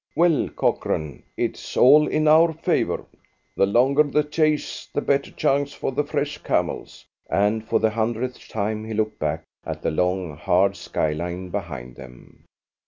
"Well, Cochrane, it's all in our favour. The longer the chase the better chance for the fresh camels!" and for the hundredth time he looked back at the long, hard skyline behind them.